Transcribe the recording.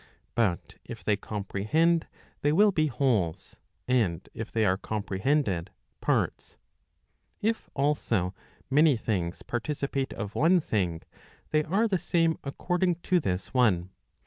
But if they comprehend, they will be wholes, and if they are comprehended, parts. If also many things parti* cipate of one thing, they are the same according to this one.